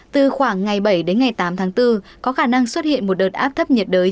từ khoảng ngày bảy đến ngày tám tháng bốn có khả năng xuất hiện một đợt áp thấp nhiệt đới